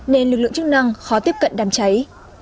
nên lực lượng chức năng khó tiếp cận đám cháy